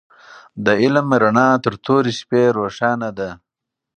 د علم رڼا تر تورې شپې روښانه ده.